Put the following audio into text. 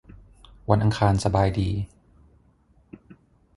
วันอังคารสบายดี